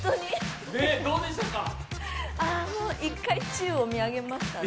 もう一回、宙を見上げましたね。